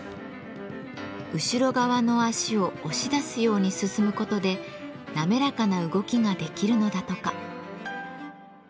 後ろ側の足を押し出すように進む事で滑らかな動きができるのだとか。